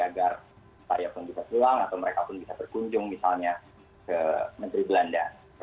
agar saya pun bisa pulang atau mereka pun bisa berkunjung misalnya ke menteri belanda